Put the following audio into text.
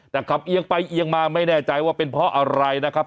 แต่ขับเอียงไปเอียงมาไม่แน่ใจว่าเป็นเพราะอะไรนะครับ